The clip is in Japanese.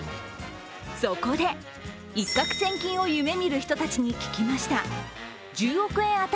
そこで、一獲千金を夢見る人たちに聞きました。